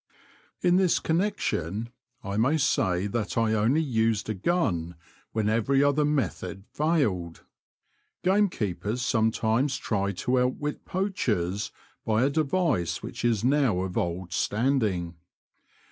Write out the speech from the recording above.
In this connection I may say that I only used a gun when every other method failed. Game keepers sometimes try to outwit poachers by a device which is now of old standing.